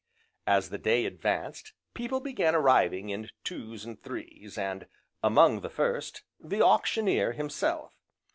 As the day advanced, people began arriving in twos and threes, and, among the first, the Auctioneer himself.